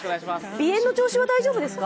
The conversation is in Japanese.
鼻炎の調子は大丈夫ですか？